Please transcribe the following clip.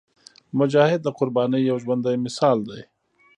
مجاهد د قربانۍ یو ژوندی مثال دی.